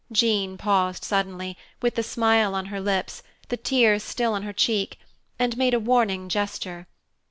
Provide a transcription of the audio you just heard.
Jean paused suddenly, with the smile on her lips, the tears still on her cheek, and made a warning gesture.